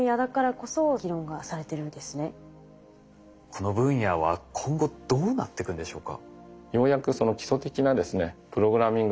この分野は今後どうなっていくんでしょうか？